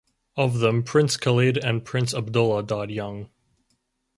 Of them Prince Khalid and Prince Abdullah died young.